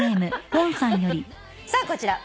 さあこちら。